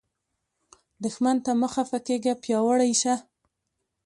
دښمن ته مه خفه کیږه، پیاوړی شه